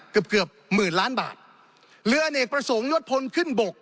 เกือบเกือบหมื่นล้านบาทเรืออเนกประสงค์นวดพลขึ้นบก